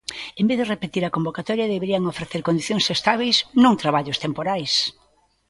En vez de repetir a convocatoria deberían ofrecer condicións estábeis, non traballos temporais.